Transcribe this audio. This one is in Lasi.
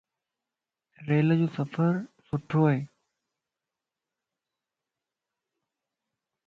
ريلَ جو سفر سھڻو ائي.